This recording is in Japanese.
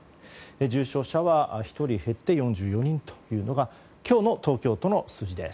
重症者は１人減って４４人というのが今日の東京都の数字です。